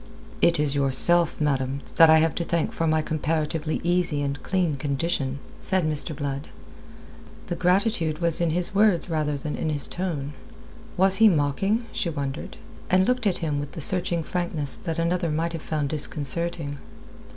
"It is yourself, madam, I have to thank for my comparatively easy and clean condition," said Mr. Blood, "and I am glad to take this opportunity of doing so." The gratitude was in his words rather than in his tone. Was he mocking, she wondered, and looked at him with the searching frankness that another might have found disconcerting.